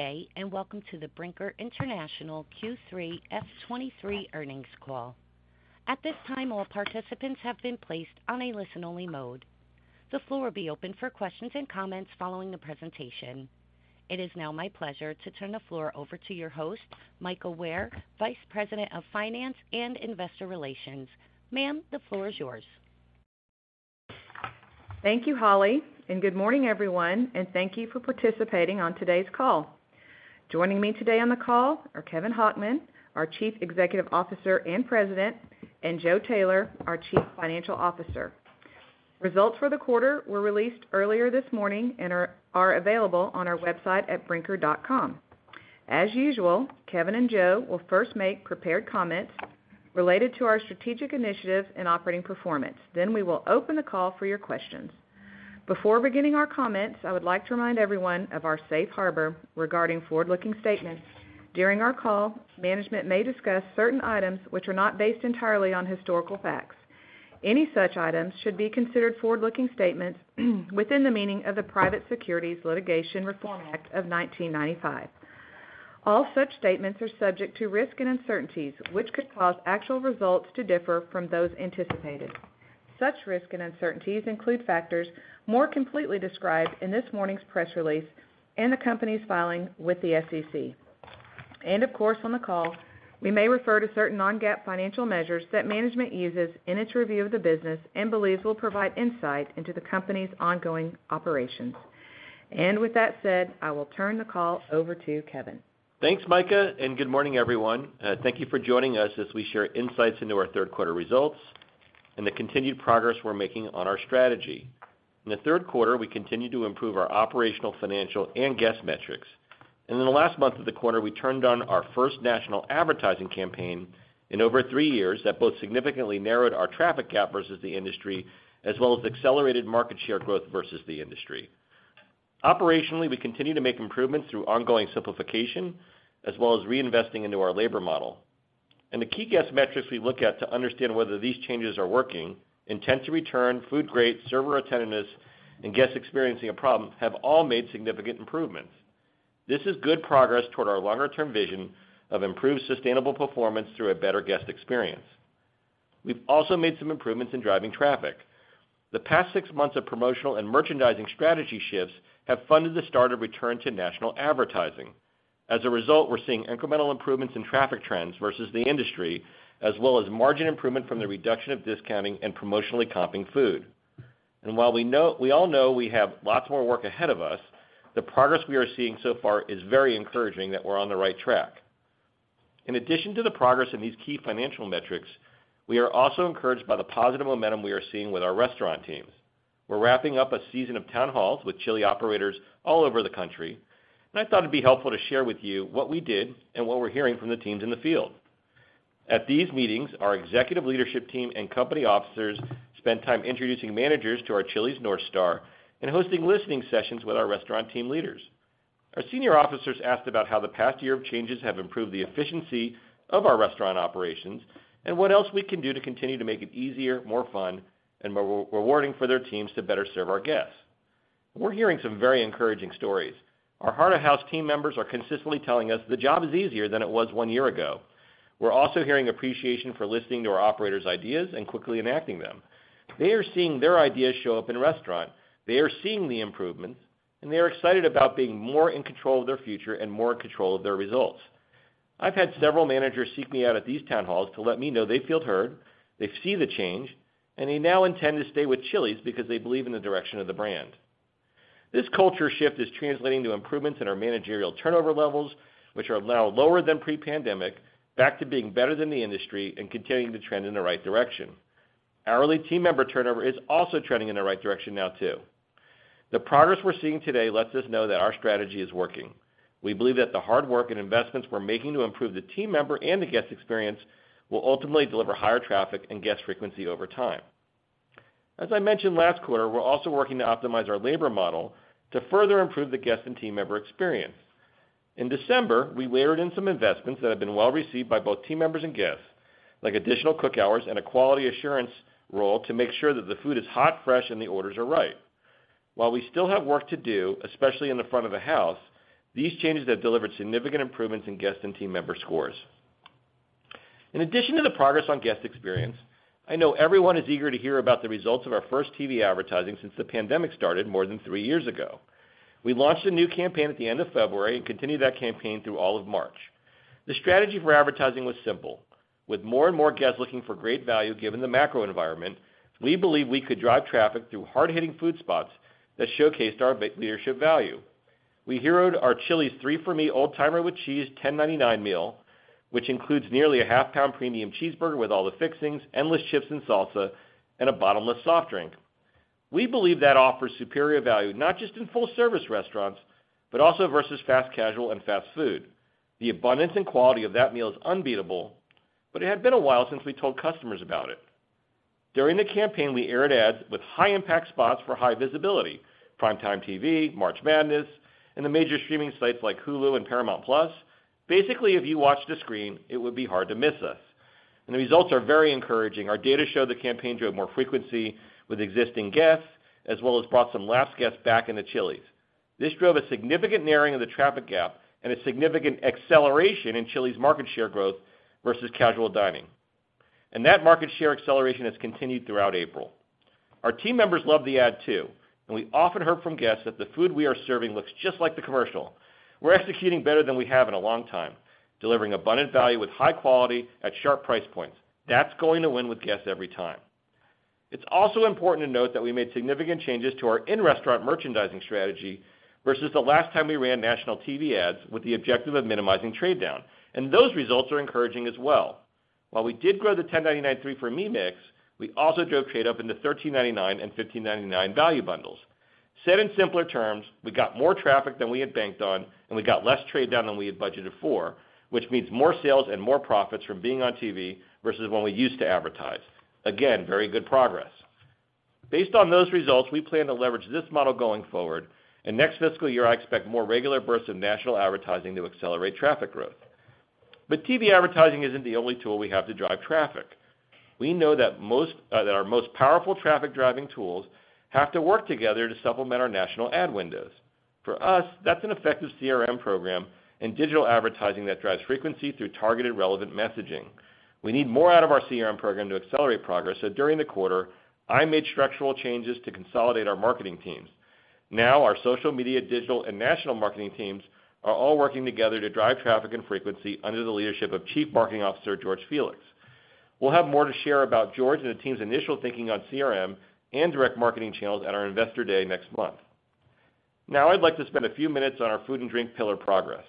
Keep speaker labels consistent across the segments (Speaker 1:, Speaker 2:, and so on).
Speaker 1: Good day. Welcome to the Brinker International Q3 F'23 earnings call. At this time, all participants have been placed on a listen-only mode. The floor will be open for questions and comments following the presentation. It is now my pleasure to turn the floor over to your host, Mika Ware, Vice President of Finance and Investor Relations. Ma'am, the floor is yours.
Speaker 2: Thank you, Holly, and good morning, everyone, and thank you for participating on today's call. Joining me today on the call are Kevin Hochman, our Chief Executive Officer and President, and Joe Taylor, our Chief Financial Officer. Results for the quarter were released earlier this morning and are available on our website at brinker.com. As usual, Kevin and Joe will first make prepared comments related to our strategic initiatives and operating performance. We will open the call for your questions. Before beginning our comments, I would like to remind everyone of our safe harbor regarding forward-looking statements. During our call, management may discuss certain items which are not based entirely on historical facts. Any such items should be considered forward looking statements within the meaning of the Private Securities Litigation Reform Act of 1995. All such statements are subject to risks and uncertainties which could cause actual results to differ from those anticipated. Such risks and uncertainties include factors more completely described in this morning's press release and the company's filing with the SEC. Of course, on the call, we may refer to certain non-GAAP financial measures that management uses in its review of the business and believes will provide insight into the company's ongoing operations. With that said, I will turn the call over to Kevin.
Speaker 3: Thanks, Mika, and good morning, everyone. Thank you for joining us as we share insights into our third quarter results and the continued progress we're making on our strategy. In the third quarter, we continued to improve our operational, financial, and guest metrics. In the last month of the quarter, we turned on our first national advertising campaign in over three years that both significantly narrowed our traffic gap versus the industry as well as accelerated market share growth versus the industry. Operationally, we continue to make improvements through ongoing simplification as well as reinvesting into our labor model. The key guest metrics we look at to understand whether these changes are working, intent to return, food grade, server attentiveness, and guests experiencing a problem, have all made significant improvements. This is good progress toward our longer-term vision of improved sustainable performance through a better guest experience. We've also made some improvements in driving traffic. The past six months of promotional and merchandising strategy shifts have funded the start of return to national advertising. As a result, we're seeing incremental improvements in traffic trends versus the industry, as well as margin improvement from the reduction of discounting and promotionally comping food. While we all know we have lots more work ahead of us, the progress we are seeing so far is very encouraging that we're on the right track. In addition to the progress in these key financial metrics, we are also encouraged by the positive momentum we are seeing with our restaurant teams. We're wrapping up a season of town halls with Chili's operators all over the country, and I thought it'd be helpful to share with you what we did and what we're hearing from the teams in the field. At these meetings, our executive leadership team and company officers spend time introducing managers to our Chili's North Star and hosting listening sessions with our restaurant team leaders. Our senior officers asked about how the past year of changes have improved the efficiency of our restaurant operations and what else we can do to continue to make it easier, more fun, and more rewarding for their teams to better serve our guests. We're hearing some very encouraging stories. Our Heart of House team members are consistently telling us the job is easier than it was one year ago. We're also hearing appreciation for listening to our operators' ideas and quickly enacting them. They are seeing their ideas show up in restaurant. They are seeing the improvements, and they are excited about being more in control of their future and more in control of their results. I've had several managers seek me out at these town halls to let me know they feel heard, they see the change, and they now intend to stay with Chili's because they believe in the direction of the brand. This culture shift is translating to improvements in our managerial turnover levels, which are now lower than pre-pandemic, back to being better than the industry and continuing to trend in the right direction. Hourly team member turnover is also trending in the right direction now too. The progress we're seeing today lets us know that our strategy is working. We believe that the hard work and investments we're making to improve the team member and the guest experience will ultimately deliver higher traffic and guest frequency over time. As I mentioned last quarter, we're also working to optimize our labor model to further improve the guest and team member experience. In December, we layered in some investments that have been well-received by both team members and guests, like additional cook hours and a quality assurance role to make sure that the food is hot, fresh, and the orders are right. While we still have work to do, especially in the front of the house, these changes have delivered significant improvements in guest and team member scores. In addition to the progress on guest experience, I know everyone is eager to hear about the results of our first TV advertising since the pandemic started more than three years ago. We launched a new campaign at the end of February and continued that campaign through all of March. The strategy for advertising was simple. With more and more guests looking for great value given the macro environment, we believe we could drive traffic through hard-hitting food spots that showcased our value leadership. We heroed our Chili's 3 for Me Old Timer with Cheese $10.99 meal, which includes nearly a half-pound premium cheeseburger with all the fixings, endless chips and salsa, and a bottomless soft drink. We believe that offers superior value not just in full-service restaurants, but also versus fast casual and fast food. The abundance and quality of that meal is unbeatable, but it had been a while since we told customers about it. During the campaign, we aired ads with high impact spots for high visibility, prime time TV, March Madness, and the major streaming sites like Hulu and Paramount+. Basically, if you watched a screen, it would be hard to miss us. The results are very encouraging. Our data show the campaign drove more frequency with existing guests, as well as brought some last guests back into Chili's. This drove a significant narrowing of the traffic gap and a significant acceleration in Chili's market share growth versus casual dining. That market share acceleration has continued throughout April. Our team members love the ad too, and we often heard from guests that the food we are serving looks just like the commercial. We're executing better than we have in a long time, delivering abundant value with high quality at sharp price points. That's going to win with guests every time. It's also important to note that we made significant changes to our in-restaurant merchandising strategy versus the last time we ran national TV ads with the objective of minimizing trade down, and those results are encouraging as well. While we did grow the $10.99 3 for Me mix, we also drove trade up into $13.99 and $15.99 value bundles. Said in simpler terms, we got more traffic than we had banked on, and we got less trade down than we had budgeted for, which means more sales and more profits from being on TV versus when we used to advertise. Again, very good progress. Based on those results, we plan to leverage this model going forward, and next fiscal year, I expect more regular bursts of national advertising to accelerate traffic growth. TV advertising isn't the only tool we have to drive traffic. We know that our most powerful traffic-driving tools have to work together to supplement our national ad windows. For us, that's an effective CRM program and digital advertising that drives frequency through targeted relevant messaging. We need more out of our CRM program to accelerate progress, so during the quarter, I made structural changes to consolidate our marketing teams. Our social media, digital, and national marketing teams are all working together to drive traffic and frequency under the leadership of Chief Marketing Officer George Felix. We'll have more to share about George and the team's initial thinking on CRM and direct marketing channels at our Investor Day next month. I'd like to spend a few minutes on our food and drink pillar progress.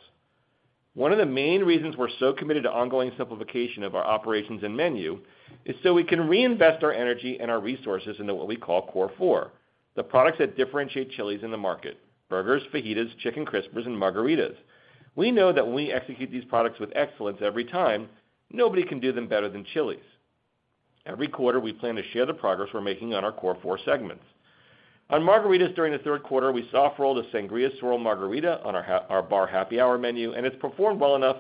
Speaker 3: One of the main reasons we're so committed to ongoing simplification of our operations and menu is so we can reinvest our energy and our resources into what we call Core Four, the products that differentiate Chili's in the market, burgers, fajitas, Chicken Crispers, and margaritas. We know that when we execute these products with excellence every time, nobody can do them better than Chili's. Every quarter, we plan to share the progress we're making on our Core Four segments. On margaritas during the third quarter, we soft rolled a Sangria Swirl Margarita on our Bar Happy Hour menu, it's performed well enough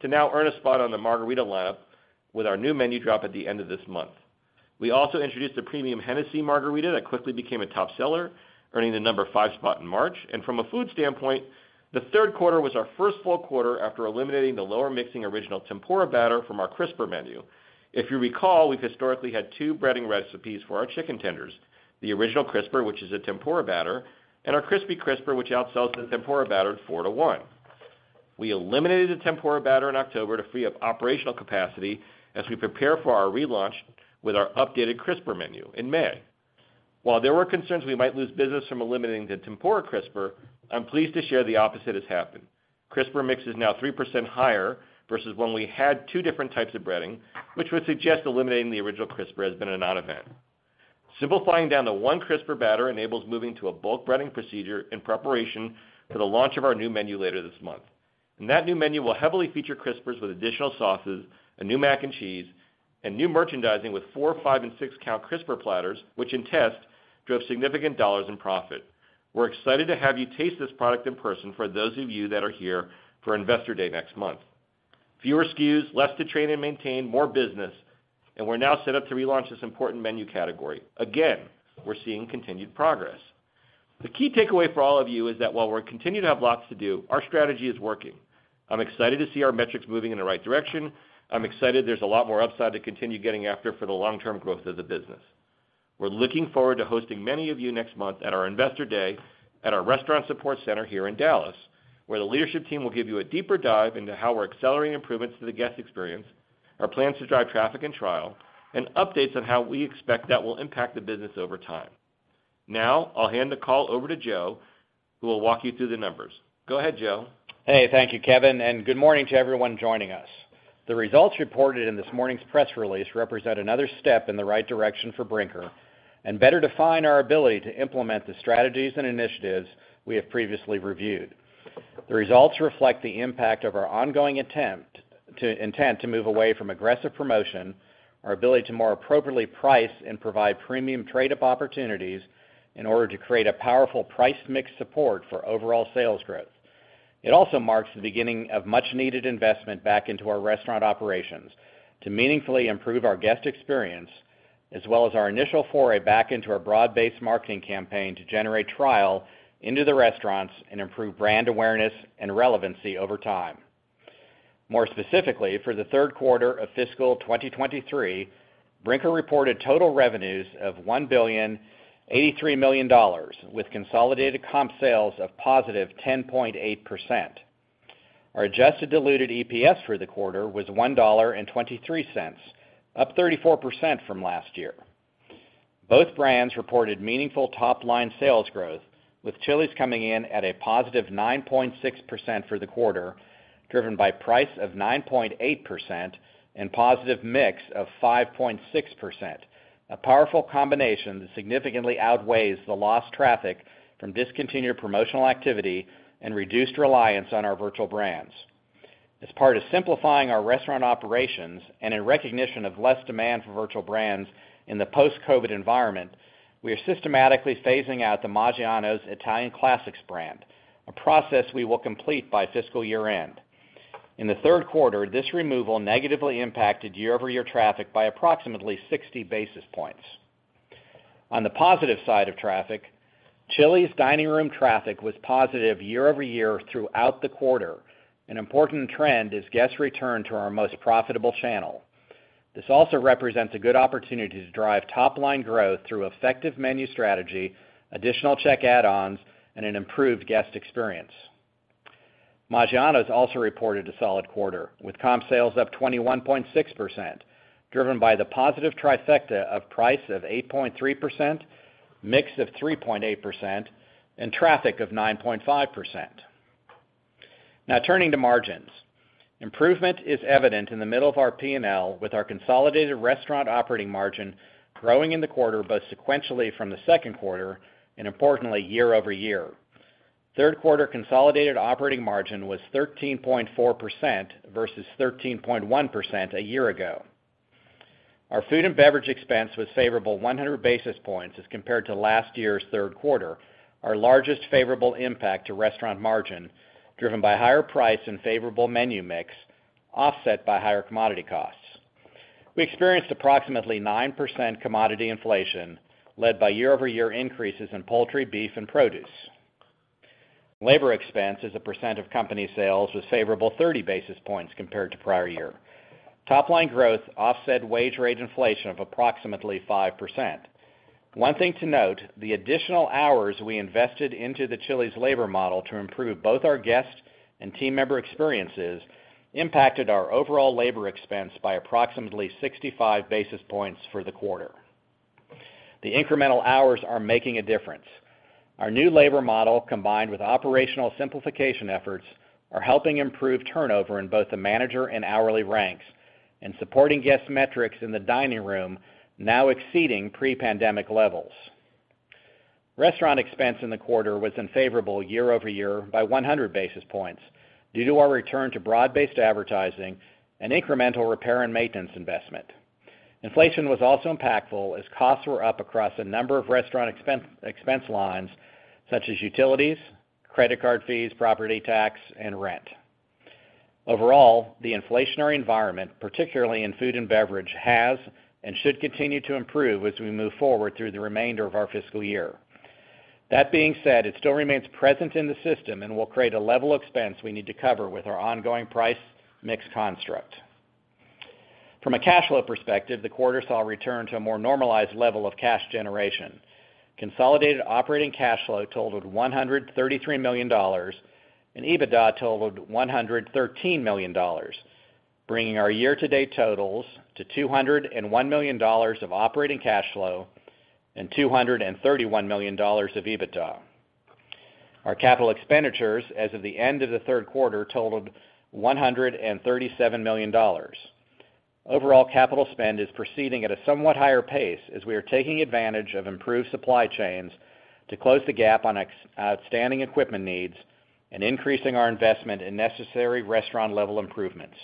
Speaker 3: to now earn a spot on the Margarita Lab with our new menu drop at the end of this month. We also introduced a premium Hennessy Margarita that quickly became a top seller, earning the number five spot in March. From a food standpoint, the third quarter was our first full quarter after eliminating the lower mixing original tempura batter from our crisper menu. If you recall, we've historically had two breading recipes for our chicken tenders, the Original Crisper, which is a tempura batter, and our Crispy Crisper, which outsells the tempura batter at four to one. We eliminated the tempura batter in October to free up operational capacity as we prepare for our relaunch with our updated Crisper menu in May. While there were concerns we might lose business from eliminating the tempura crisper, I'm pleased to share the opposite has happened. Crisper mix is now 3% higher versus when we had two different types of breading, which would suggest eliminating the Original Crisper has been a non-event. Simplifying down to one crisper batter enables moving to a bulk breading procedure in preparation for the launch of our new menu later this month. That new menu will heavily feature Crispers with additional sauces, a new mac and cheese, and new merchandising with four, five, and six-count Crisper platters, which in test drove significant dollars in profit. We're excited to have you taste this product in person for those of you that are here for Investor Day next month. Fewer SKUs, less to train and maintain, more business, and we're now set up to relaunch this important menu category. Again, we're seeing continued progress. The key takeaway for all of you is that while we continue to have lots to do, our strategy is working. I'm excited to see our metrics moving in the right direction. I'm excited there's a lot more upside to continue getting after for the long-term growth of the business. We're looking forward to hosting many of you next month at our Investor Day at our restaurant support center here in Dallas, where the leadership team will give you a deeper dive into how we're accelerating improvements to the guest experience, our plans to drive traffic and trial, and updates on how we expect that will impact the business over time. Now I'll hand the call over to Joe, who will walk you through the numbers. Go ahead, Joe.
Speaker 4: Hey. Thank you, Kevin, and good morning to everyone joining us. The results reported in this morning's press release represent another step in the right direction for Brinker and better define our ability to implement the strategies and initiatives we have previously reviewed. The results reflect the impact of our ongoing intent to move away from aggressive promotion, our ability to more appropriately price and provide premium trade up opportunities in order to create a powerful price mix support for overall sales growth. Also marks the beginning of much-needed investment back into our restaurant operations to meaningfully improve our guest experience as well as our initial foray back into our broad-based marketing campaign to generate trial into the restaurants and improve brand awareness and relevancy over time. More specifically, for the third quarter of fiscal 2023, Brinker reported total revenues of $1,083 million with consolidated comp sales of +10.8%. Our adjusted diluted EPS for the quarter was $1.23, up 34% from last year. Both brands reported meaningful top-line sales growth, with Chili's coming in at a +9.6% for the quarter, driven by price of 9.8% and positive mix of +5.6%, a powerful combination that significantly outweighs the lost traffic from discontinued promotional activity and reduced reliance on our virtual brands. As part of simplifying our restaurant operations and in recognition of less demand for virtual brands in the post-COVID environment, we are systematically phasing out the Maggiano's Italian Classics brand, a process we will complete by fiscal year-end. In the third quarter, this removal negatively impacted year-over-year traffic by approximately 60 basis points. On the positive side of traffic, Chili's dining room traffic was positive year-over-year throughout the quarter, an important trend as guests return to our most profitable channel. This also represents a good opportunity to drive top-line growth through effective menu strategy, additional check add-ons, and an improved guest experience. Maggiano's also reported a solid quarter, with comp sales up 21.6%, driven by the positive trifecta of price of 8.3%, mix of 3.8%, and traffic of 9.5%. Turning to margins. Improvement is evident in the middle of our P&L, with our consolidated restaurant operating margin growing in the quarter, both sequentially from the second quarter and importantly, year-over-year. Third quarter consolidated operating margin was 13.4% versus 13.1% a year ago. Our food and beverage expense was favorable 100 basis points as compared to last year's third quarter, our largest favorable impact to restaurant margin, driven by higher price and favorable menu mix, offset by higher commodity costs. We experienced approximately 9% commodity inflation, led by year-over-year increases in poultry, beef, and produce. Labor expense as a percent of company sales was favorable 30 basis points compared to prior year. Top line growth offset wage rate inflation of approximately 5%. One thing to note, the additional hours we invested into the Chili's labor model to improve both our guest and team member experiences impacted our overall labor expense by approximately 65 basis points for the quarter. The incremental hours are making a difference. Our new labor model, combined with operational simplification efforts, are helping improve turnover in both the manager and hourly ranks and supporting guest metrics in the dining room now exceeding pre-pandemic levels. Restaurant expense in the quarter was unfavorable year-over-year by 100 basis points due to our return to broad-based advertising and incremental repair and maintenance investment. Inflation was also impactful as costs were up across a number of restaurant expense lines such as utilities, credit card fees, property tax, and rent. Overall, the inflationary environment, particularly in food and beverage, has and should continue to improve as we move forward through the remainder of our fiscal year. That being said, it still remains present in the system and will create a level of expense we need to cover with our ongoing price mix construct. From a cash flow perspective, the quarter saw a return to a more normalized level of cash generation. Consolidated operating cash flow totaled $133 million, and EBITDA totaled $113 million, bringing our year-to-date totals to $201 million of operating cash flow and $231 million of EBITDA. Our capital expenditures as of the end of the third quarter totaled $137 million. Overall, capital spend is proceeding at a somewhat higher pace as we are taking advantage of improved supply chains to close the gap on ex-outstanding equipment needs and increasing our investment in necessary restaurant-level improvements.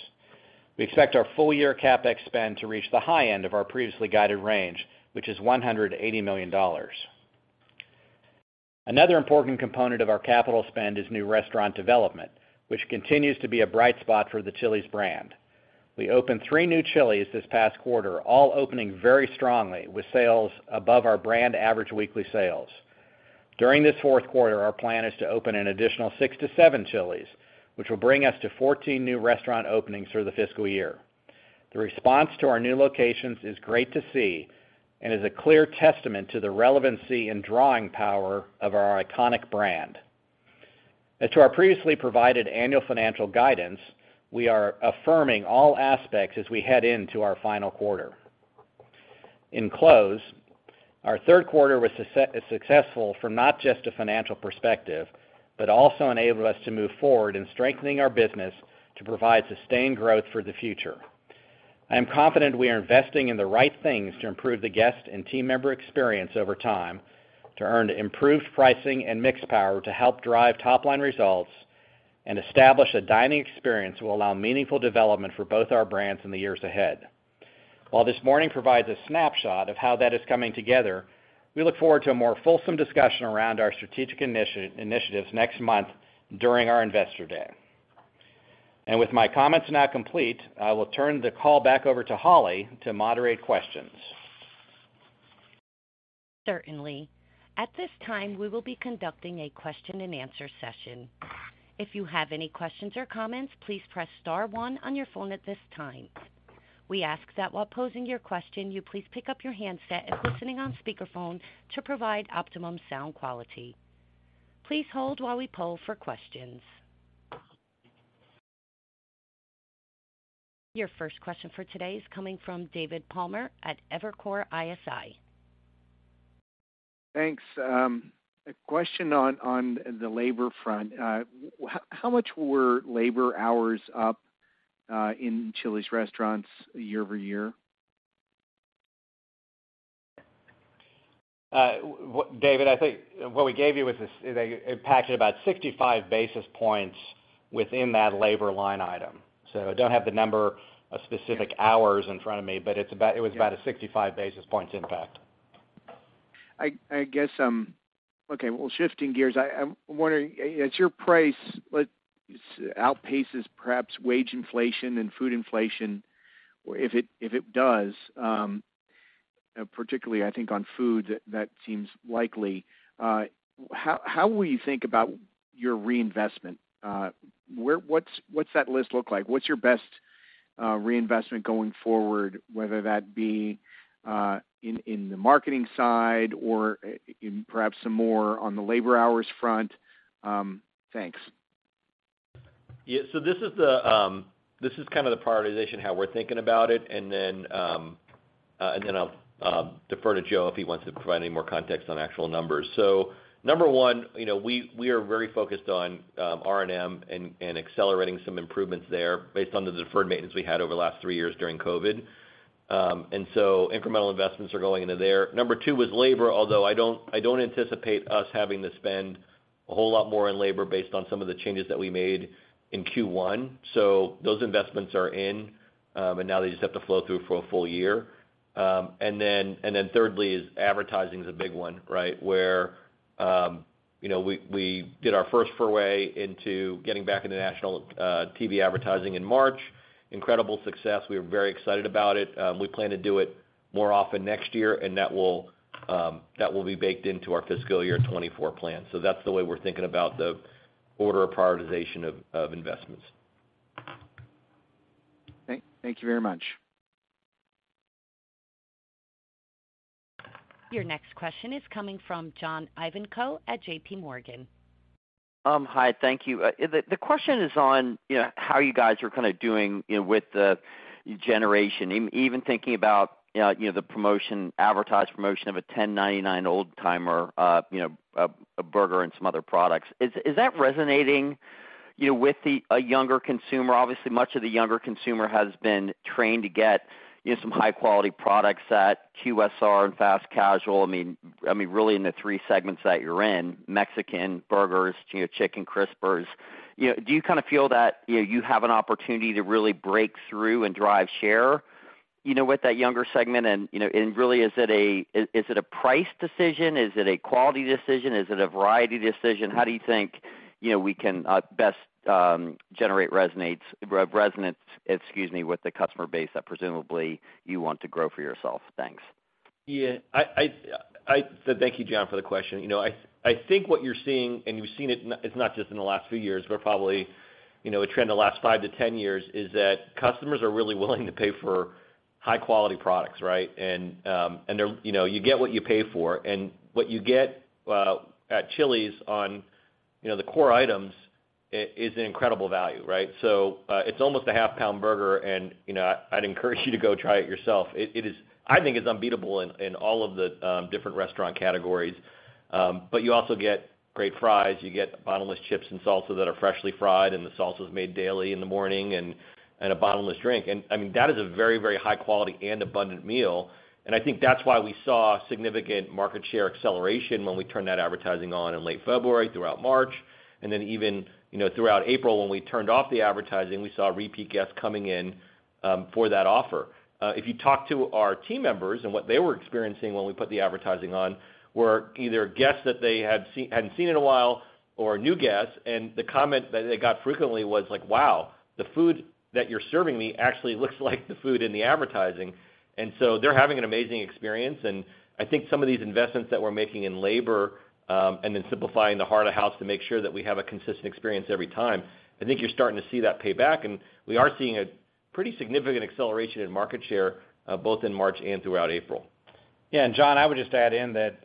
Speaker 4: We expect our full-year CapEx spend to reach the high end of our previously guided range, which is $180 million. Another important component of our capital spend is new restaurant development, which continues to be a bright spot for the Chili's brand. We opened three new Chili's this past quarter, all opening very strongly with sales above our brand average weekly sales. During this fourth quarter, our plan is to open an additional 6-7 Chili's, which will bring us to 14 new restaurant openings through the fiscal year. The response to our new locations is great to see and is a clear testament to the relevancy and drawing power of our iconic brand. As to our previously provided annual financial guidance, we are affirming all aspects as we head into our final quarter. In close, our third quarter was successful from not just a financial perspective, but also enabled us to move forward in strengthening our business to provide sustained growth for the future. I am confident we are investing in the right things to improve the guest and team member experience over time, to earn improved pricing and mix power to help drive top-line results and establish a dining experience that will allow meaningful development for both our brands in the years ahead. While this morning provides a snapshot of how that is coming together, we look forward to a more fulsome discussion around our strategic initiatives next month during our Investor Day. With my comments now complete, I will turn the call back over to Holly to moderate questions.
Speaker 1: Certainly. At this time, we will be conducting a question-and-answer session. If you have any questions or comments, please press star one on your phone at this time. We ask that while posing your question, you please pick up your handset and positioning on speakerphone to provide optimum sound quality. Please hold while we poll for questions. Your first question for today is coming from David Palmer at Evercore ISI.
Speaker 5: Thanks. A question on the labor front. How much were labor hours up in Chili's restaurants year-over-year?
Speaker 4: David, I think what we gave you was this, impacted about 65 basis points within that labor line item. I don't have the number of specific hours in front of me, but it was about a 65 basis points impact.
Speaker 5: I guess. Okay. Well, shifting gears, I'm wondering, as your price, like, outpaces perhaps wage inflation and food inflation, or if it does, particularly I think on food that seems likely, how will you think about your reinvestment? What's that list look like? What's your best reinvestment going forward, whether that be in the marketing side or in perhaps some more on the labor hours front? Thanks.
Speaker 3: This is kind of the prioritization, how we're thinking about it. I'll defer to Joe if he wants to provide any more context on actual numbers. Number one, you know, we are very focused on R&M and accelerating some improvements there based on the deferred maintenance we had over the last three years during COVID. Incremental investments are going into there. Number two was labor, although I don't anticipate us having to spend a whole lot more on labor based on some of the changes that we made in Q1. Those investments are in, and now they just have to flow through for a full year. Thirdly is advertising is a big one, right? Where, you know, we did our first foray into getting back into national TV advertising in March. Incredible success. We are very excited about it. We plan to do it more often next year, that will be baked into our fiscal year F'24 plan. That's the way we're thinking about the order of prioritization of investments.
Speaker 5: Thank you very much.
Speaker 1: Your next question is coming from John Ivankoe at JP Morgan.
Speaker 6: Hi. Thank you. The question is on, you know, how you guys are kind of doing, you know, with the generation. Even thinking about, you know, the promotion, advertised promotion of a $10.99 Old Timer, you know, a burger and some other products. Is that resonating, you know, with a younger consumer? Obviously, much of the younger consumer has been trained to get, you know, some high quality products at QSR and fast casual. I mean, really in the three segments that you're in, Mexican burgers, you know, Chicken Crispers. You know, do you kind of feel that, you know, you have an opportunity to really break through and drive share, you know, with that younger segment? You know, really, is it a price decision? Is it a quality decision? Is it a variety decision? How do you think, you know, we can best generate resonance, excuse me, with the customer base that presumably you want to grow for yourself? Thanks.
Speaker 3: I thank you, John Ivankoe, for the question. You know, I think what you're seeing, and you've seen it not just in the last few years, but probably, you know, a trend the last five to 10 years, is that customers are really willing to pay for high quality products, right? They're, you know, you get what you pay for, and what you get at Chili's on, you know, the core items is an incredible value, right? It's almost a half pound burger and, you know, I'd encourage you to go try it yourself. It is. I think it's unbeatable in all of the different restaurant categories. You also get great fries. You get bottomless chips and salsa that are freshly fried, and the salsa is made daily in the morning and a bottomless drink. I mean, that is a very, very high quality and abundant meal. I think that's why we saw significant market share acceleration when we turned that advertising on in late February, throughout March. Even, you know, throughout April, when we turned off the advertising, we saw repeat guests coming in for that offer. If you talk to our team members and what they were experiencing when we put the advertising on, were either guests that they hadn't seen in a while or new guests. The comment that they got frequently was like, "Wow, the food that you're serving me actually looks like the food in the advertising." So they're having an amazing experience. I think some of these investments that we're making in labor, and then simplifying the Heart of House to make sure that we have a consistent experience every time, I think you're starting to see that pay back, and we are seeing a pretty significant acceleration in market share, both in March and throughout April.
Speaker 4: Yeah. John, I would just add in that,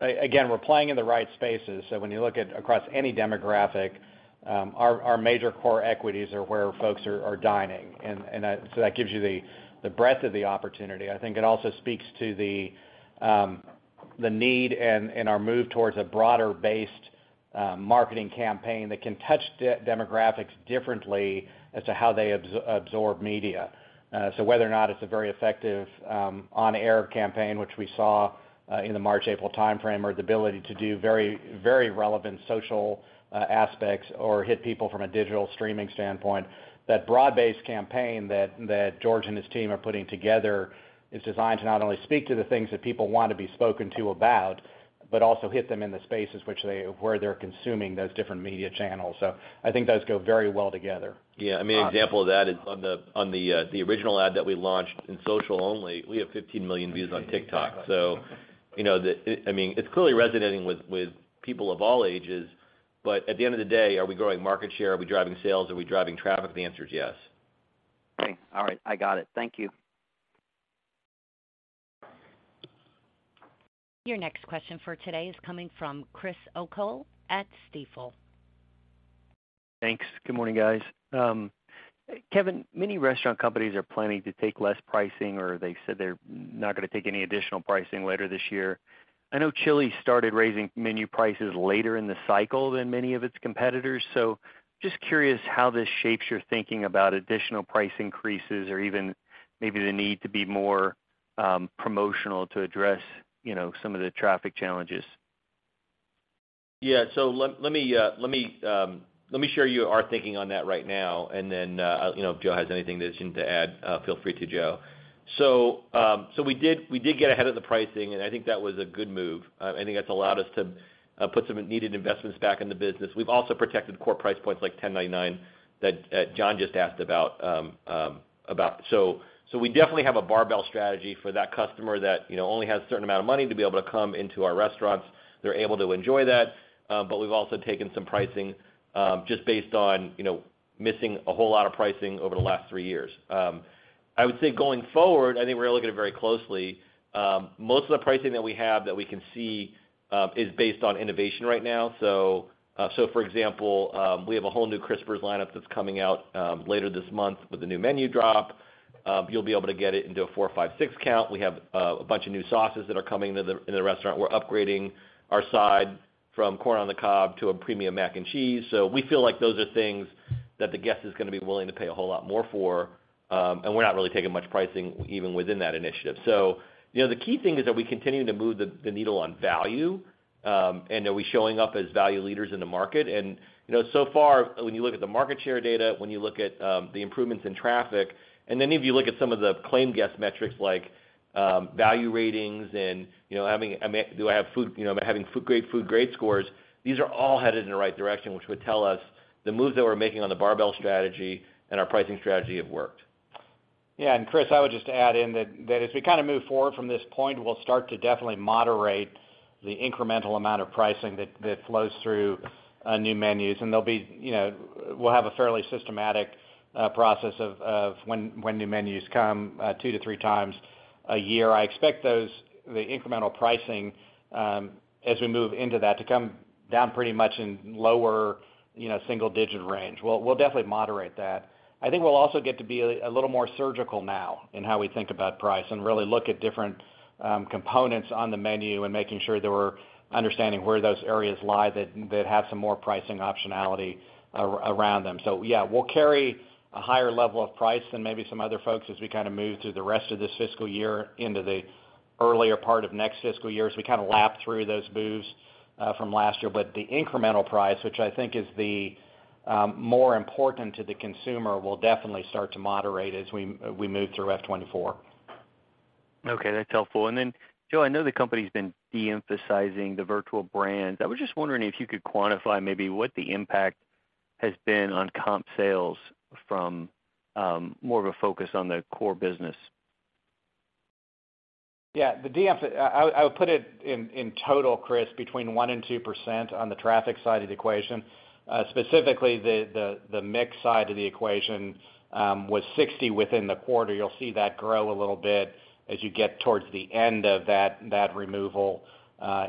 Speaker 4: again, we're playing in the right spaces. When you look at across any demographic, our major core equities are where folks are dining. That gives you the breadth of the opportunity. I think it also speaks to the need and our move towards a broader-based marketing campaign that can touch demographics differently as to how they absorb media. Whether or not it's a very effective, on-air campaign, which we saw, in the March, April timeframe, or the ability to do very, very relevant social, aspects or hit people from a digital streaming standpoint, that broad-based campaign that George and his team are putting together is designed to not only speak to the things that people want to be spoken to about, but also hit them in the spaces where they're consuming those different media channels. I think those go very well together.
Speaker 3: Yeah. I mean, an example of that is on the original ad that we launched in social only, we have 15 million views on TikTok. You know, I mean, it's clearly resonating with people of all ages. At the end of the day, are we growing market share? Are we driving sales? Are we driving traffic? The answer is yes.
Speaker 6: Okay. All right. I got it. Thank you.
Speaker 1: Your next question for today is coming from Chris O'Cull at Stifel.
Speaker 7: Thanks. Good morning, guys. Kevin, many restaurant companies are planning to take less pricing, or they said they're not gonna take any additional pricing later this year. I know Chili's started raising menu prices later in the cycle than many of its competitors. Just curious how this shapes your thinking about additional price increases or even maybe the need to be more promotional to address, you know, some of the traffic challenges.
Speaker 3: Yeah. Let me share you our thinking on that right now, and then, you know, if Joe has anything that you need to add, feel free to, Joe. We did get ahead of the pricing, and I think that was a good move. I think that's allowed us to put some needed investments back in the business. We've also protected core price points like $10.99 that John just asked about. We definitely have a barbell strategy for that customer that, you know, only has a certain amount of money to be able to come into our restaurants. They're able to enjoy that, but we've also taken some pricing just based on, you know, missing a whole lot of pricing over the last three years. I would say going forward, I think we're looking at it very closely. Most of the pricing that we have that we can see is based on innovation right now. For example, we have a whole new Crispers lineup that's coming out later this month with the new menu drop. You'll be able to get it into a four, five, six count. We have a bunch of new sauces that are coming in the restaurant. We're upgrading our side from corn on the cob to a premium mac and cheese. We feel like those are things that the guest is gonna be willing to pay a whole lot more for, and we're not really taking much pricing even within that initiative. you know, the key thing is that we continue to move the needle on value, and are we showing up as value leaders in the market. you know, so far, when you look at the market share data, when you look at the improvements in traffic, and then if you look at some of the claim guest metrics like value ratings and, you know, having great food, great scores, these are all headed in the right direction, which would tell us the moves that we're making on the barbell strategy and our pricing strategy have worked.
Speaker 4: Chris, I would just add in that as we kinda move forward from this point, we'll start to definitely moderate the incremental amount of pricing that flows through new menus. They'll be, you know, we'll have a fairly systematic process of when new menus come, two to three times a year. I expect those, the incremental pricing, as we move into that, to come down pretty much in lower, you know, single-digit range. We'll definitely moderate that. I think we'll also get to be a little more surgical now in how we think about price and really look at different components on the menu and making sure that we're understanding where those areas lie that have some more pricing optionality around them. Yeah, we'll carry a higher level of price than maybe some other folks as we kinda move through the rest of this fiscal year into the earlier part of next fiscal year as we kinda lap through those moves from last year. The incremental price, which I think is the more important to the consumer, will definitely start to moderate as we move through F'24.
Speaker 7: Okay, that's helpful. Joe, I know the company's been de-emphasizing the virtual brands. I was just wondering if you could quantify maybe what the impact has been on comp sales from more of a focus on the core business.
Speaker 4: Yeah. I would put it in total, Chris, between 1% and 2% on the traffic side of the equation. Specifically the mix side of the equation was 60 within the quarter. You'll see that grow a little bit as you get towards the end of that removal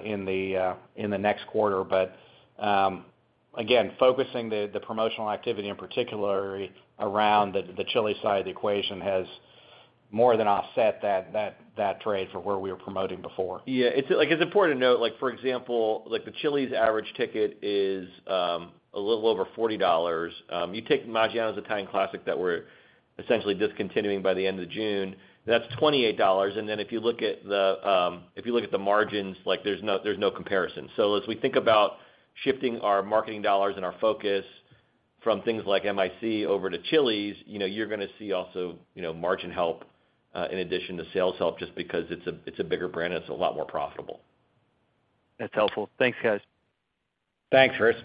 Speaker 4: in the next quarter. Again, focusing the promotional activity in particularly around the Chili's side of the equation has more than offset that trade for where we were promoting before.
Speaker 3: Yeah. It's, like, it's important to note, like, for example, like the Chili's average ticket is a little over $40. You take Maggiano's Italian Classics that we're essentially discontinuing by the end of June, that's $28. If you look at the, if you look at the margins, like there's no, there's no comparison. As we think about shifting our marketing dollars and our focus from things like MIC over to Chili's, you know, you're gonna see also, you know, margin help in addition to sales help just because it's a, it's a bigger brand, it's a lot more profitable.
Speaker 7: That's helpful. Thanks, guys.
Speaker 4: Thanks, Chris.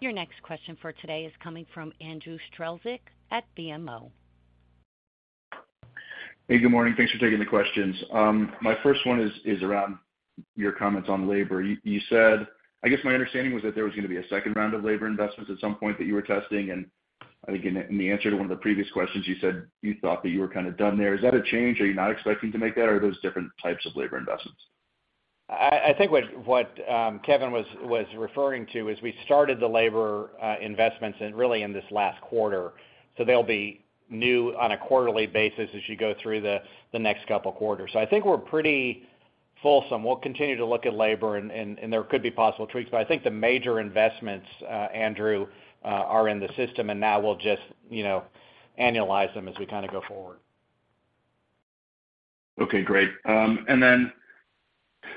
Speaker 1: Your next question for today is coming from Andrew Strelzik at BMO.
Speaker 8: Hey, good morning. Thanks for taking the questions. My first one is around your comments on labor. You said I guess my understanding was that there was gonna be a second round of labor investments at some point that you were testing, I think in the, in the answer to one of the previous questions, you said you thought that you were kinda done there. Is that a change? Are you not expecting to make that? Or are those different types of labor investments?
Speaker 4: I think what Kevin was referring to is we started the labor investments in really in this last quarter. They'll be new on a quarterly basis as you go through the next couple quarters. I think we're pretty fulsome. We'll continue to look at labor and there could be possible tweaks. I think the major investments, Andrew, are in the system, and now we'll just, you know, annualize them as we kinda go forward.
Speaker 8: Okay, great.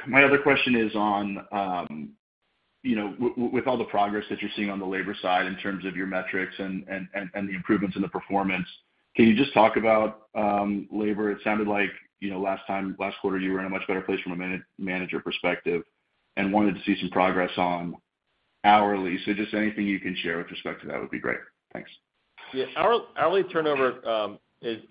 Speaker 8: My other question is on, you know, with all the progress that you're seeing on the labor side in terms of your metrics and the improvements in the performance, can you just talk about labor? It sounded like, you know, last time, last quarter, you were in a much better place from a manager perspective and wanted to see some progress on hourly. Just anything you can share with respect to that would be great. Thanks.
Speaker 3: Yeah. Hourly turnover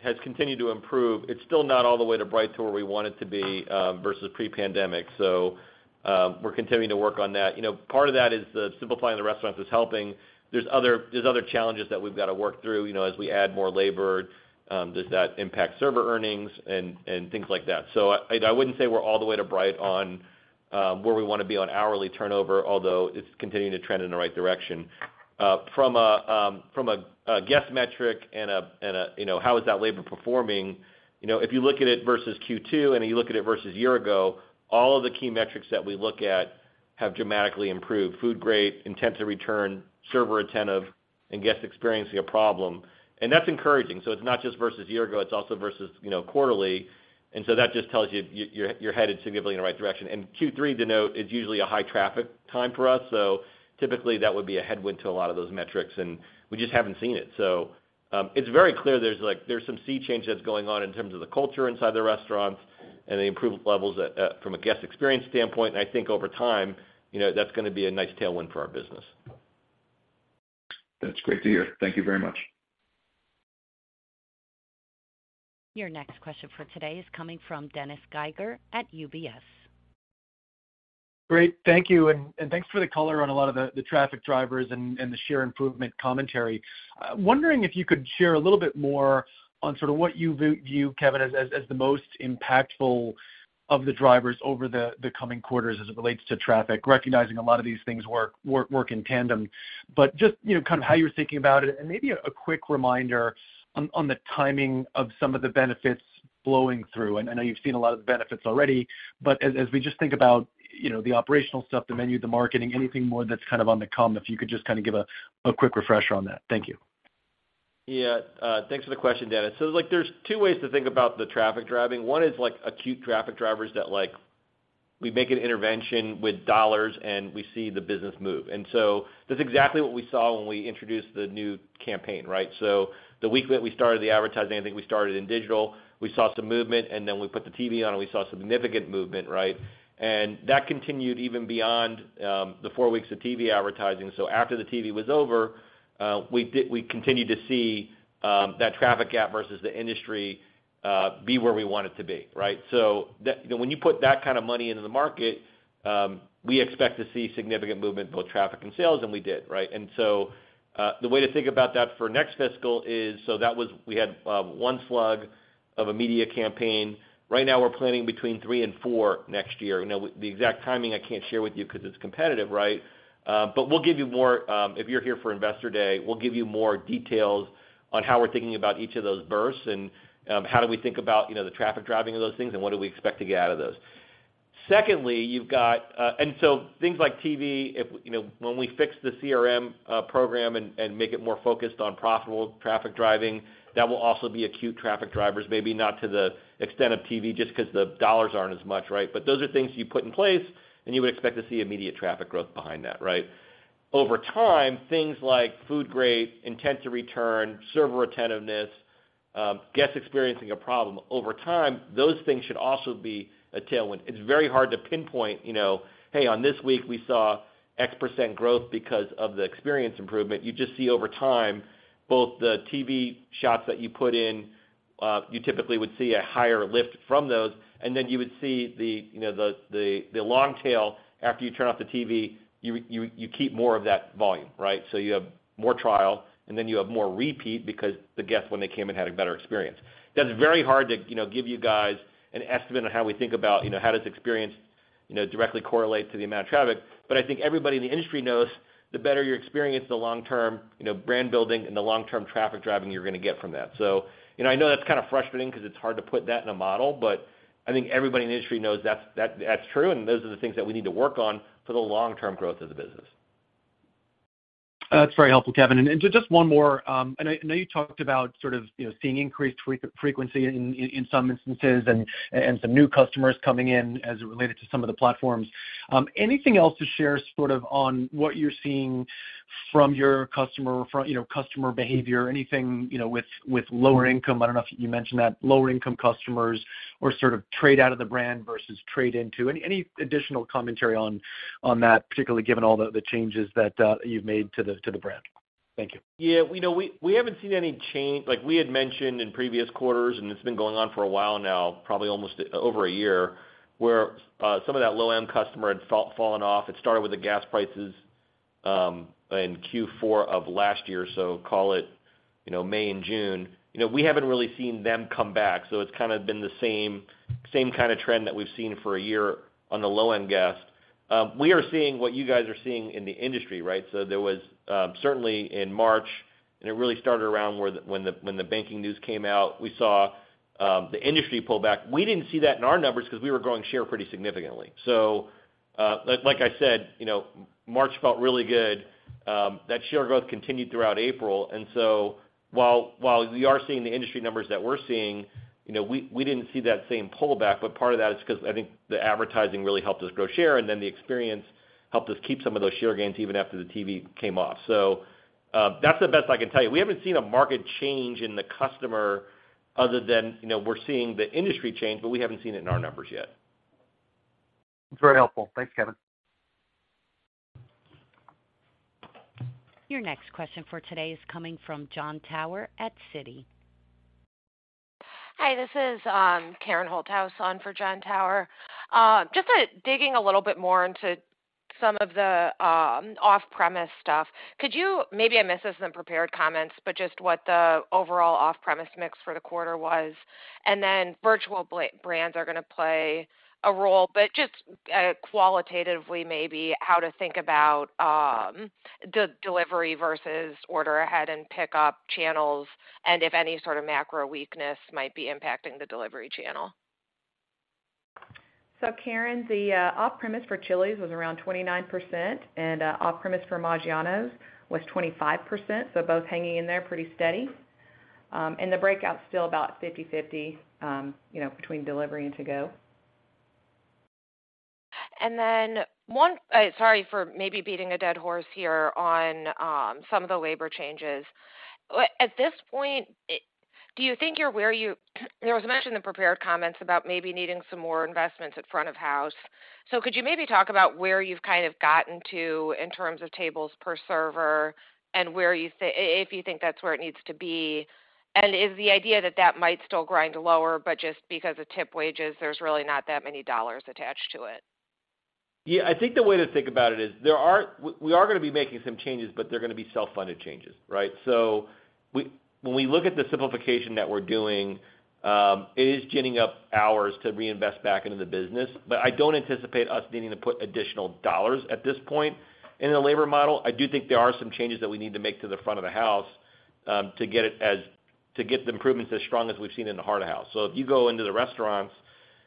Speaker 3: has continued to improve. It's still not all the way to bright to where we want it to be versus pre-pandemic. We're continuing to work on that. You know, part of that is the simplifying the restaurants is helping. There's other challenges that we've gotta work through, you know, as we add more labor, does that impact server earnings and things like that. I wouldn't say we're all the way to bright on where we wanna be on hourly turnover, although it's continuing to trend in the right direction. From a guest metric and a, you know, how is that labor performing, you know, if you look at it versus Q2 and you look at it versus year ago, all of the key metrics that we look at have dramatically improved. Food grade, intent to return, server attentive and guests experiencing a problem. That's encouraging. It's not just versus year ago, it's also versus, you know, quarterly. That just tells you you're headed significantly in the right direction. Q3 to note is usually a high traffic time for us. Typically that would be a headwind to a lot of those metrics, and we just haven't seen it. It's very clear there's like, there's some sea change that's going on in terms of the culture inside the restaurant and the improvement levels from a guest experience standpoint. I think over time, you know, that's gonna be a nice tailwind for our business.
Speaker 8: That's great to hear. Thank you very much.
Speaker 1: Your next question for today is coming from Dennis Geiger at UBS.
Speaker 9: Great. Thank you. Thanks for the color on a lot of the traffic drivers and the share improvement commentary. Wondering if you could share a little bit more on sort of what you view, Kevin, as the most impactful of the drivers over the coming quarters as it relates to traffic, recognizing a lot of these things work in tandem. Just, you know, kind of how you're thinking about it, and maybe a quick reminder on the timing of some of the benefits flowing through. I know you've seen a lot of the benefits already, but as we just think about, you know, the operational stuff, the menu, the marketing, anything more that's kind of on the come, if you could just kinda give a quick refresher on that. Thank you.
Speaker 3: Thanks for the question, Dennis. Like there's two ways to think about the traffic driving. One is like acute traffic drivers that like we make an intervention with dollars, and we see the business move. That's exactly what we saw when we introduced the new campaign, right? The week that we started the advertising, I think we started in digital, we saw some movement, and then we put the TV on, and we saw significant movement, right? That continued even beyond the four weeks of TV advertising. After the TV was over, we continued to see that traffic gap versus the industry, be where we want it to be, right? When you put that kind of money into the market, we expect to see significant movement in both traffic and sales, and we did, right? The way to think about that for next fiscal is, We had one slug of a media campaign. Right now we're planning between three and four next year. The exact timing I can't share with you because it's competitive, right? We'll give you more, if you're here for Investor Day, we'll give you more details on how we're thinking about each of those bursts and, how do we think about, you know, the traffic driving of those things and what do we expect to get out of those. Secondly, you've got things like TV, if, you know, when we fix the CRM program and make it more focused on profitable traffic driving, that will also be acute traffic drivers, maybe not to the extent of TV just because the dollars aren't as much, right? Those are things you put in place, and you would expect to see immediate traffic growth behind that, right? Over time, things like food grade, intent to return, server attentiveness, guests experiencing a problem over time, those things should also be a tailwind. It's very hard to pinpoint, you know, hey, on this week, we saw X% growth because of the experience improvement. You just see over time, both the TV shots that you put in, you typically would see a higher lift from those. You would see the, you know, the long tail after you turn off the TV, you keep more of that volume, right? You have more trial, and then you have more repeat because the guest, when they came in, had a better experience. That's very hard to, you know, give you guys an estimate on how we think about, you know, how does experience, you know, directly correlate to the amount of traffic. I think everybody in the industry knows the better your experience, the long term, you know, brand building and the long-term traffic driving you're gonna get from that. You know, I know that's kind of frustrating because it's hard to put that in a model, but I think everybody in the industry knows that's true, and those are the things that we need to work on for the long-term growth of the business.
Speaker 9: That's very helpful, Kevin. Just one more. I know you talked about sort of, you know, seeing increased frequency in some instances and some new customers coming in as it related to some of the platforms. Anything else to share sort of on what you're seeing from your customer or from, you know, customer behavior, anything, you know, with lower income, I don't know if you mentioned that, lower income customers or sort of trade out of the brand versus trade into? Any additional commentary on that, particularly given all the changes that you've made to the brand? Thank you.
Speaker 3: You know, we haven't seen any change. Like we had mentioned in previous quarters, and it's been going on for a while now, probably almost over a year, where some of that low-end customer had fallen off. It started with the gas prices in Q4 of last year, so call it, you know, May and June. You know, we haven't really seen them come back, so it's kinda been the same kinda trend that we've seen for a year on the low-end guest. We are seeing what you guys are seeing in the industry, right? There was certainly in March, and it really started around when the banking news came out. We saw the industry pull back. We didn't see that in our numbers because we were growing share pretty significantly. Like I said, you know, March felt really good. That share growth continued throughout April. While we are seeing the industry numbers that we're seeing, you know, we didn't see that same pullback, but part of that is because I think the advertising really helped us grow share, and then the experience helped us keep some of those share gains even after the TV came off. That's the best I can tell you. We haven't seen a market change in the customer other than, you know, we're seeing the industry change, but we haven't seen it in our numbers yet.
Speaker 9: It's very helpful. Thanks, Kevin.
Speaker 1: Your next question for today is coming from Jon Tower at Citi.
Speaker 10: Hi, this is Karen Holthouse on for Jon Tower. Just digging a little bit more into some of the off-premise stuff. Maybe I missed this in the prepared comments, but just what the overall off-premise mix for the quarter was? Virtual brands are gonna play a role, but just qualitatively maybe how to think about de-delivery versus order ahead and pick up channels and if any sort of macro weakness might be impacting the delivery channel?
Speaker 4: Karen, the off-premise for Chili's was around 29%, and off-premise for Maggiano's was 25%. Both hanging in there pretty steady. The breakout's still about 50/50, you know, between delivery and to-go.
Speaker 10: Sorry for maybe beating a dead horse here on some of the labor changes. At this point, do you think you're where you? There was a mention in prepared comments about maybe needing some more investments at front of house. Could you maybe talk about where you've kind of gotten to in terms of tables per server and where you if you think that's where it needs to be? Is the idea that that might still grind lower, but just because of tip wages, there's really not that many dollars attached to it?
Speaker 3: I think the way to think about it is there are we are gonna be making some changes, but they're gonna be self-funded changes, right? When we look at the simplification that we're doing, it is ginning up hours to reinvest back into the business. I don't anticipate us needing to put additional dollars at this point in the labor model. I do think there are some changes that we need to make to the front of the house, to get the improvements as strong as we've seen in the Heart of House. If you go into the restaurants,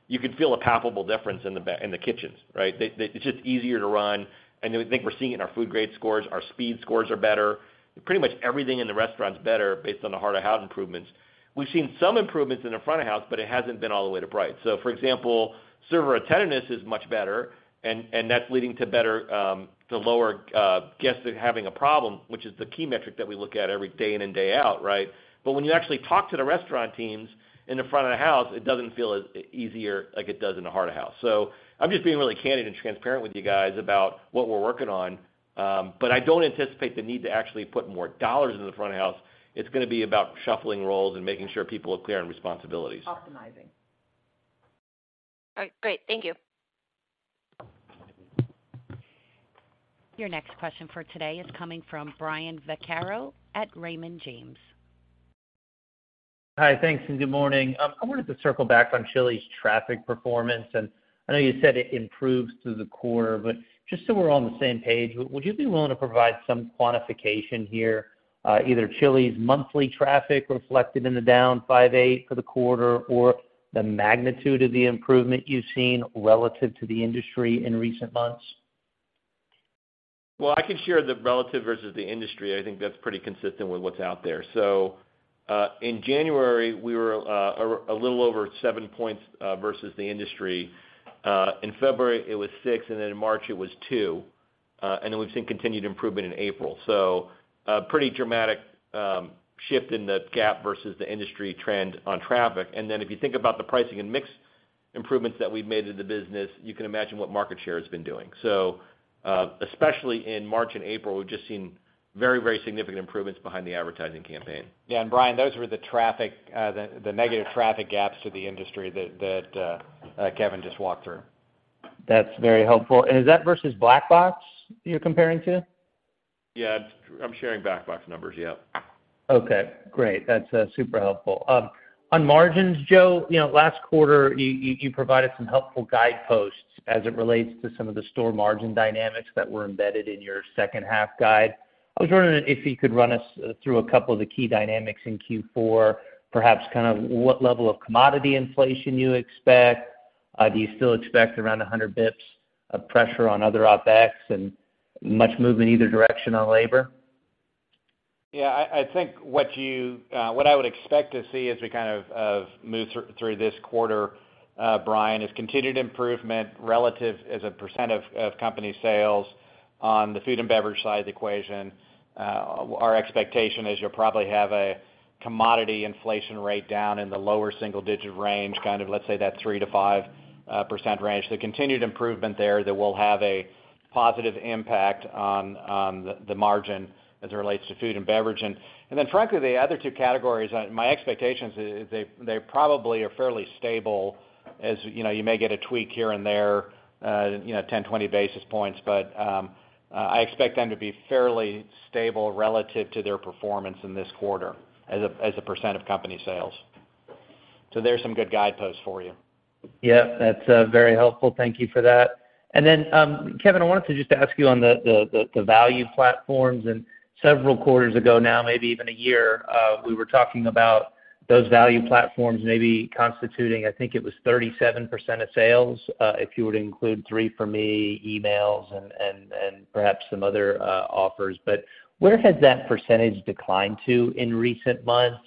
Speaker 3: you could feel a palpable difference in the kitchens, right? It's just easier to run. I think we're seeing it in our food grade scores, our speed scores are better. Pretty much everything in the restaurant's better based on the Heart of House improvements. We've seen some improvements in the front of house, but it hasn't been all the way to bright. For example, server attentiveness is much better and that's leading to better, to lower, guests that are having a problem, which is the key metric that we look at every day in and day out, right? When you actually talk to the restaurant teams in the front of the house, it doesn't feel as easier like it does in the Heart of House. I'm just being really candid and transparent with you guys about what we're working on. I don't anticipate the need to actually put more dollars into the front of the house. It's gonna be about shuffling roles and making sure people are clear on responsibilities.
Speaker 4: Optimizing.
Speaker 10: All right, great. Thank you.
Speaker 1: Your next question for today is coming from Brian Vaccaro at Raymond James.
Speaker 11: Hi, thanks, and good morning. I wanted to circle back on Chili's traffic performance. I know you said it improves through the quarter, but just so we're all on the same page, would you be willing to provide some quantification here, either Chili's monthly traffic reflected in the down 5.8% for the quarter or the magnitude of the improvement you've seen relative to the industry in recent months?
Speaker 3: Well, I can share the relative versus the industry. I think that's pretty consistent with what's out there. In January, we were a little over seven points versus the industry. In February, it was six, and then in March it was two, and then we've seen continued improvement in April. A pretty dramatic shift in the gap versus the industry trend on traffic. If you think about the pricing and mix improvements that we've made in the business, you can imagine what market share has been doing. Especially in March and April, we've just seen very, very significant improvements behind the advertising campaign.
Speaker 4: Yeah, Brian, those were the traffic, the negative traffic gaps to the industry that Kevin just walked through.
Speaker 11: That's very helpful. Is that versus Black Box you're comparing to?
Speaker 3: Yeah. I'm sharing Black Box numbers. Yeah.
Speaker 11: Okay, great. That's super helpful. On margins, Joe, you know, last quarter, you provided some helpful guideposts as it relates to some of the store margin dynamics that were embedded in your second half guide. I was wondering if you could run us through a couple of the key dynamics in Q4, perhaps kind of what level of commodity inflation you expect? Do you still expect around 100 basis points of pressure on other OpEx and much movement either direction on labor?
Speaker 4: Yeah, I think what you, what I would expect to see as we kind of move through this quarter, Brian, is continued improvement relative as a % of company sales on the food and beverage side of the equation. Our expectation is you'll probably have a commodity inflation rate down in the lower single digit range, kind of let's say that 3%-5% range. The continued improvement there that will have a positive impact on the margin as it relates to food and beverage. Frankly, the other two categories, my expectations is they probably are fairly stable. As, you know, you may get a tweak here and there, you know, 10, 20 basis points. I expect them to be fairly stable relative to their performance in this quarter as a, as a % of company sales. There's some good guideposts for you.
Speaker 11: Yeah, that's very helpful. Thank you for that. Kevin, I wanted to just ask you on the value platforms. Several quarters ago now, maybe even a year, we were talking about those value platforms maybe constituting, I think it was 37% of sales, if you were to include 3 for Me emails and perhaps some other offers. Where has that percentage declined to in recent months?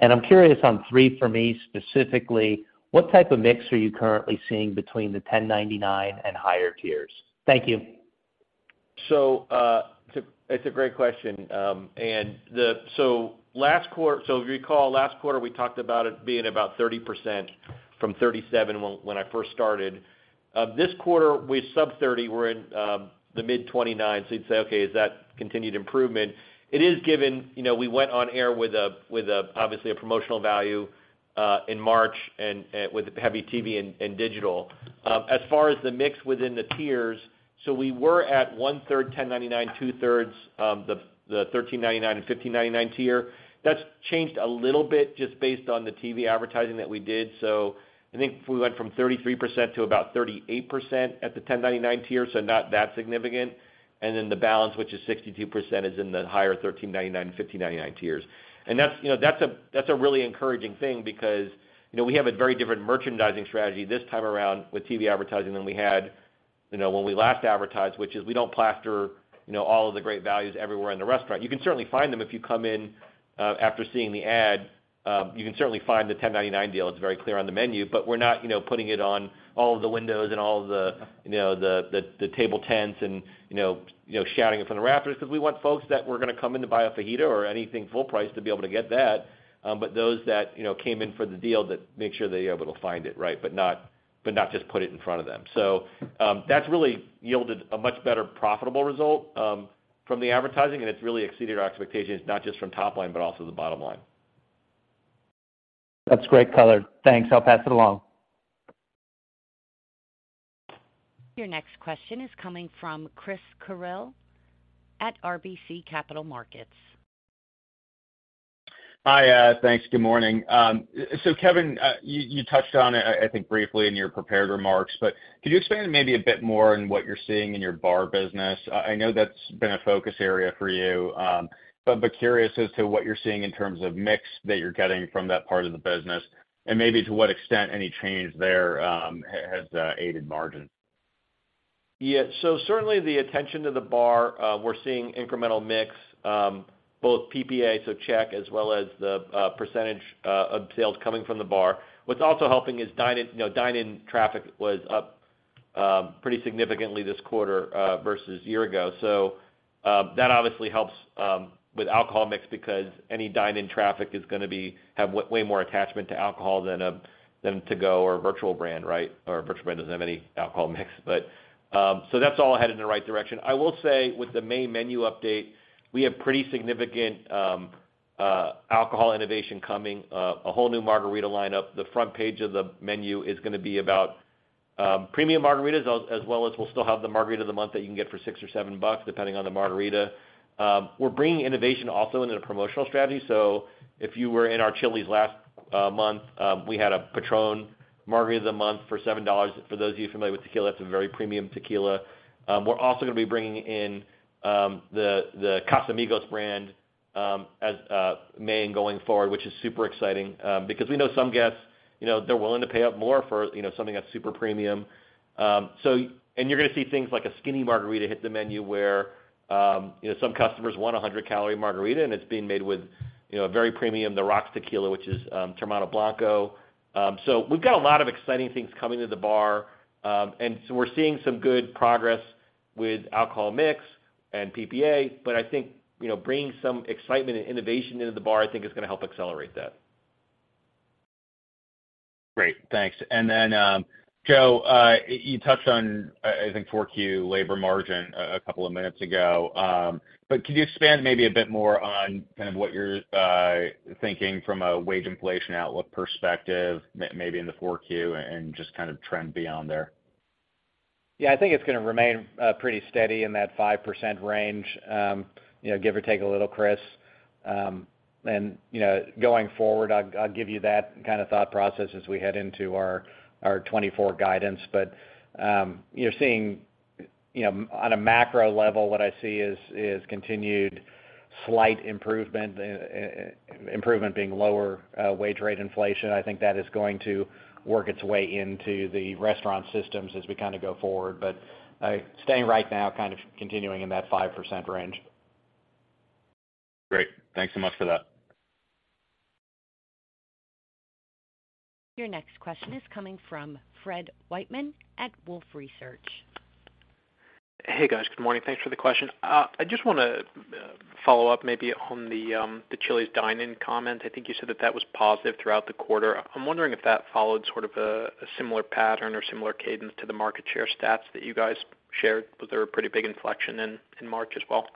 Speaker 11: I'm curious on 3 for Me specifically, what type of mix are you currently seeing between the $10.99 and higher tiers? Thank you.
Speaker 3: It's a great question. If you recall, last quarter we talked about it being about 30% from 37 when I first started. This quarter we're sub-30. We're in the mid-29. You'd say, okay, is that continued improvement? It is given, you know, we went on air with a obviously a promotional value in March and with heavy TV and digital. As far as the mix within the tiers, we were at 1/3, $10.99, 2/3 the $13.99 and $15.99 tier. That's changed a little bit just based on the TV advertising that we did. I think we went from 33% to about 38% at the $10.99 tier, not that significant. Then the balance, which is 62%, is in the higher $13.99 and $15.99 tiers. That's, you know, that's a, that's a really encouraging thing because, you know, we have a very different merchandising strategy this time around with TV advertising than we had. You know, when we last advertised, which is we don't plaster, you know, all of the great values everywhere in the restaurant. You can certainly find them if you come in, after seeing the ad, you can certainly find the $10.99 deal, it's very clear on the menu. We're not, you know, putting it on all of the windows and all the, you know, the table tents and shouting it from the rafters 'cause we want folks that were gonna come in to buy a fajita or anything full price to be able to get that. Those that, you know, came in for the deal that make sure that they're able to find it, right? Not just put it in front of them. That's really yielded a much better profitable result from the advertising, and it's really exceeded our expectations, not just from top line, but also the bottom line.
Speaker 4: That's great color. Thanks. I'll pass it along.
Speaker 1: Your next question is coming from Chris Carril at RBC Capital Markets.
Speaker 12: Hi. Thanks. Good morning. Kevin, you touched on it, I think, briefly in your prepared remarks, but could you expand maybe a bit more on what you're seeing in your bar business? I know that's been a focus area for you, but curious as to what you're seeing in terms of mix that you're getting from that part of the business and maybe to what extent any change there has aided margin.
Speaker 3: Certainly, the attention to the bar, we're seeing incremental mix, both PPA, so check, as well as the % of sales coming from the bar. What's also helping is dine-in, you know, dine-in traffic was up pretty significantly this quarter versus year ago. That obviously helps with alcohol mix because any dine-in traffic is gonna have way more attachment to alcohol than to-go or virtual brand, right? Or virtual brand doesn't have any alcohol mix. That's all headed in the right direction. I will say with the main menu update, we have pretty significant alcohol innovation coming, a whole new margarita lineup. The front page of the menu is gonna be about premium margaritas as well as we'll still have the margarita of the month that you can get for $6 or $7, depending on the margarita. We're bringing innovation also in a promotional strategy. If you were in our Chili's last month, we had a Patrón margarita of the month for $7. For those of you familiar with tequila, it's a very premium tequila. We're also gonna be bringing in the Casamigos brand as main going forward, which is super exciting because we know some guests, you know, they're willing to pay up more for, you know, something that's super premium. You're gonna see things like a skinny margarita hit the menu where, you know, some customers want a 100-calorie margarita, and it's being made with, you know, a very premium The Rock's tequila, which is, Teremana Blanco. We've got a lot of exciting things coming to the bar, and so we're seeing some good progress with alcohol mix and PPA. I think, you know, bringing some excitement and innovation into the bar, I think is gonna help accelerate that.
Speaker 12: Great. Thanks. Joe, you touched on, I think, 4Q labor margin a couple of minutes ago. Could you expand maybe a bit more on kind of what you're thinking from a wage inflation outlook perspective maybe in the 4Q and just kind of trend beyond there?
Speaker 4: Yeah, I think it's gonna remain pretty steady in that 5% range, you know, give or take a little, Chris. You know, going forward, I'll give you that kind of thought process as we head into our 2024 guidance. You're seeing... You know, on a macro level, what I see is continued slight improvement being lower, wage rate inflation. I think that is going to work its way into the restaurant systems as we kinda go forward. Staying right now, kind of continuing in that 5% range.
Speaker 12: Great. Thanks so much for that.
Speaker 1: Your next question is coming from Fred Wightman at Wolfe Research.
Speaker 13: Hey, guys. Good morning. Thanks for the question. I just wanna follow up maybe on the Chili's dine-in comment. I think you said that that was positive throughout the quarter. I'm wondering if that followed sort of a similar pattern or similar cadence to the market share stats that you guys shared. Was there a pretty big inflection in March as well?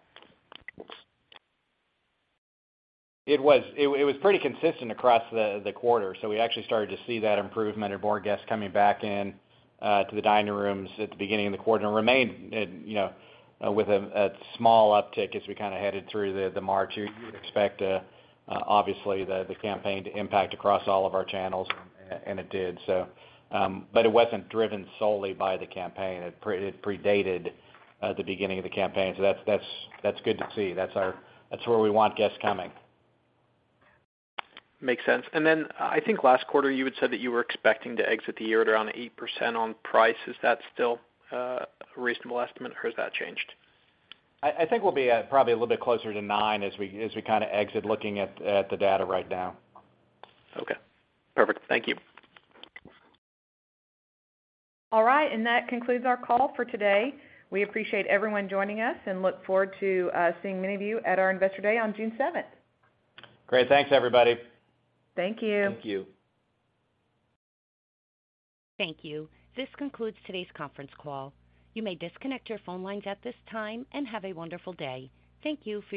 Speaker 4: It was. It was pretty consistent across the quarter. We actually started to see that improvement of more guests coming back in to the dining rooms at the beginning of the quarter and remained, with a small uptick as we kinda headed through the March. You'd expect, obviously the campaign to impact across all of our channels, and it did, so. It wasn't driven solely by the campaign. It predated the beginning of the campaign. That's good to see. That's where we want guests coming.
Speaker 13: Makes sense. I think last quarter you had said that you were expecting to exit the year at around 8% on price. Is that still a reasonable estimate, or has that changed?
Speaker 4: I think we'll be probably a little bit closer to nine as we kinda exit looking at the data right now.
Speaker 13: Okay, perfect. Thank you.
Speaker 3: All right, that concludes our call for today. We appreciate everyone joining us and look forward to seeing many of you at our Investor Day on June 7.
Speaker 4: Great. Thanks, everybody.
Speaker 3: Thank you.
Speaker 4: Thank you.
Speaker 1: Thank you. This concludes today's conference call. You may disconnect your phone lines at this time, and have a wonderful day. Thank you for your participation.